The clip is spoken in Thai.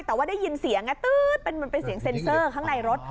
แต่ว่าได้ยินเสียงตื๊ดมันเป็นเสียงเซ็นเซอร์ข้างในรถ